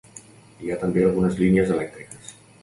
Hi ha també algunes línies elèctriques.